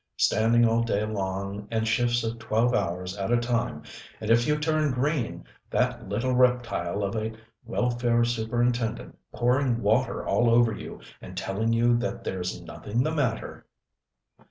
Standing all day long, and shifts of twelve hours at a time and if you turn green, that little reptile of a Welfare Superintendent pouring water all over you and telling you that there's nothing the matter."